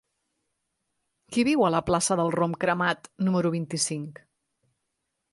Qui viu a la plaça del Rom Cremat número vint-i-cinc?